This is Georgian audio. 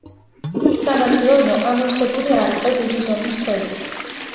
სამარხი ორმო ამოვსებული არ იყო დიდი ზომის ქვებით.